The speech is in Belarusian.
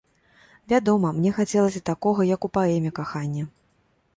Вядома, мне хацелася такога, як у паэме, кахання.